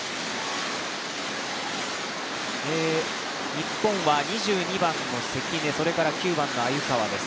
日本は２２番の関根、９番の鮎川です。